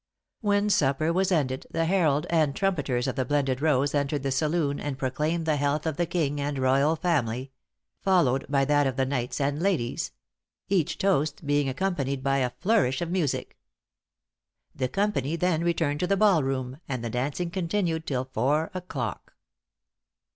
When supper was ended, the herald and trumpeters of the Blended Rose entered the saloon, and proclaimed the health of the king and royal family followed by that of the knights and ladies; each toast being accompanied by a flourish of music. The company then returned to the ball room; and the dancing continued till four o'clock.